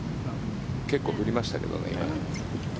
結構振りましたけどね。